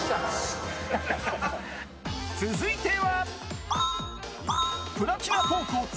続いては。